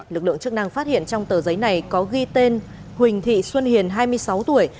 lực lượng chức năng phát hiện trong tờ giấy này có ghi tên huỳnh thị xuân hiền hai mươi sáu tuổi